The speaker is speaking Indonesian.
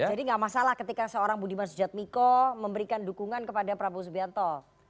jadi gak masalah ketika seorang budiman sujatmiko memberikan dukungan kepada prabowo subianto